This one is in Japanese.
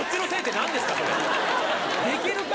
できるか！